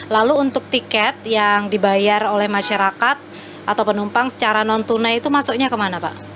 lalu untuk tiket yang dibayar oleh masyarakat atau penumpang secara non tunai itu masuknya kemana pak